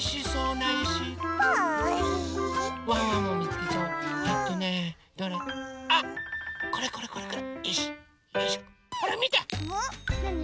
なに？